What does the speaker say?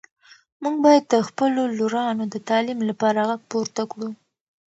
موږ باید د خپلو لورانو د تعلیم لپاره غږ پورته کړو.